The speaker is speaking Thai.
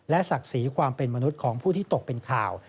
ศักดิ์ศรีความเป็นมนุษย์ของผู้ที่ตกเป็นข่าว